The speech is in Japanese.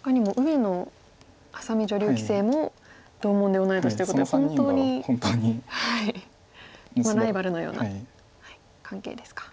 ほかにも上野愛咲美女流棋聖も同門で同い年ということで本当にライバルのような関係ですか。